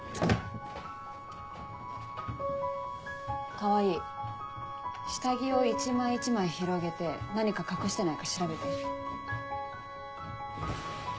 川合下着を一枚一枚広げて何か隠してないか調べて。